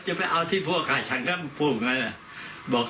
จะไปเอาที่พั่วใครบอกเอามันบอก